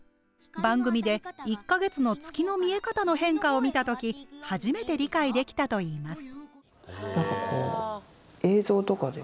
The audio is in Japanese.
番組で１か月の月の見え方の変化を見た時初めて理解できたといいます。